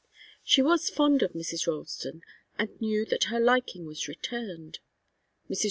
She was fond of Mrs. Ralston, and knew that her liking was returned. Mrs.